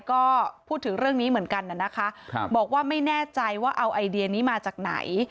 ก็พูดถึงเรื่องนี้เหมือนกันนะคะบอกว่าไม่แน่ใจว่าเอาไอเดียนี้มาจากไหน